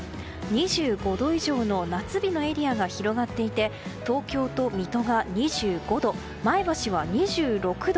２５度以上の夏日のエリアが広がっていて東京と水戸が２５度前橋は２６度。